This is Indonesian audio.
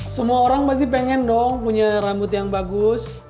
semua orang pasti pengen dong punya rambut yang bagus